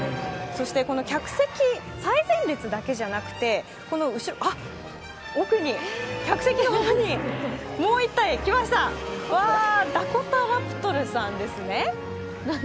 客席最前列だけではなくて奥に、客席のほうにもう一体来ました、ダコタラプトルさんですね。